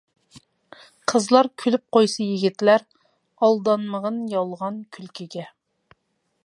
قىزلار كۈلۈپ قويسا يىگىتلەر، ئالدانمىغىن يالغان كۈلكىگە.